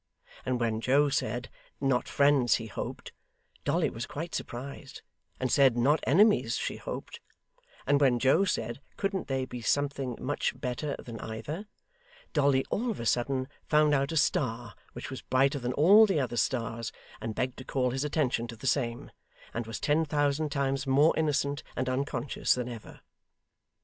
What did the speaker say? And when Joe said, not friends he hoped, Dolly was quite surprised, and said not enemies she hoped; and when Joe said, couldn't they be something much better than either, Dolly all of a sudden found out a star which was brighter than all the other stars, and begged to call his attention to the same, and was ten thousand times more innocent and unconscious than ever.